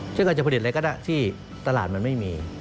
ซึ่งการจะผลิตอะไรก็ได้ที่ตลาดมันไม่มี